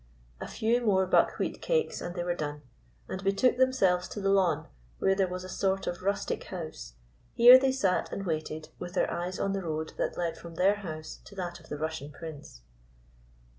,, A few more buckwheat cakes and they were done, and betook themselves to the lawn, where there was a sort of rustic house. Here they sat and waited, with their eyes on the road that led from their house to that of the Russian Prince.